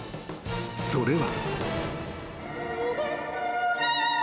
［それは］